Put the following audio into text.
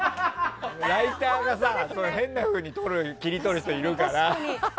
ライターで変なふうに切り取る人いるからさ。